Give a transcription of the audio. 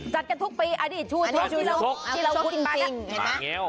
จัดกันทุกปีอันนี้ชูชกที่เราคุ้นปรากฏ